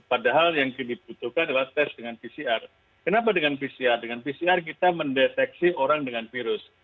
padahal yang dibutuhkan adalah tes dengan pcr kenapa dengan pcr dengan pcr kita mendeteksi orang dengan virus